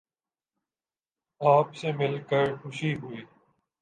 آپ سے مل کر خوشی ہوئی